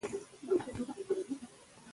ماشومان د لوبو له لارې ځان اداره کول زده کوي.